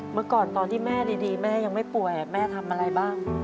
เมื่อก่อนตอนที่แม่ดีแม่ยังไม่ป่วยแม่ทำอะไรบ้าง